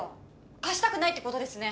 貸したくないってことですね